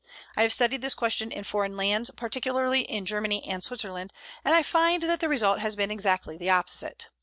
I have studied this question in foreign lands, particularly in Germany and Switzerland, and I find that the result has been exactly the opposite.